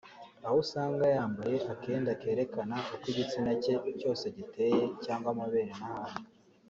aho usanga yambaye akenda kerekana uko igitsina cye cyose giteye cyangwa amabere n’ahandi